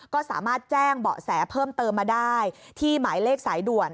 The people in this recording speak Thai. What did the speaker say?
ก็สามารถแจ้งเบาะแสเพิ่มเติมมาได้ที่หมายเลขสายด่วน